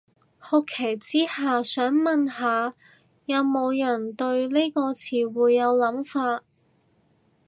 好奇之下，想問下有無人對呢個詞彙有諗法